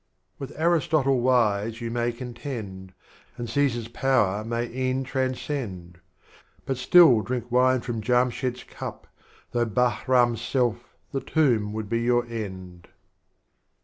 With Aristotle wise you may contend, And Csesar's Power may e'en transcend, — But still drink Wine from Jiimshed's Cup," Though Bahrdm's self, the Tomb would be your End.